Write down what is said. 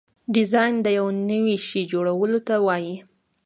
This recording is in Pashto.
ډیزاین د یو نوي شي جوړولو ته وایي.